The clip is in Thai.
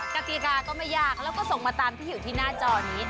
กติกาก็ไม่ยากแล้วก็ส่งมาตามที่อยู่ที่หน้าจอนี้